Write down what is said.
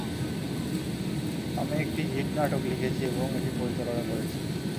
আমি একটি হিট নাটক লিখেছি এবং এটি পরিচালনা করেছি।